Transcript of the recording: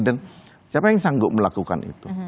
dan siapa yang sanggup melakukan itu